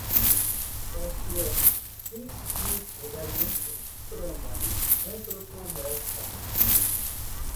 Faustiano, instintivamente, trama, antropomorfa